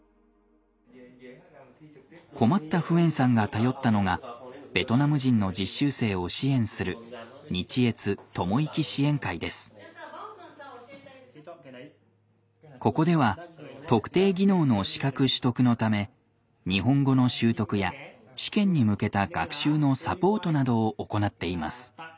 困ったフエンさんが頼ったのがベトナム人の実習生を支援するここでは特定技能の資格取得のため日本語の習得や試験に向けた学習のサポートなどを行っています。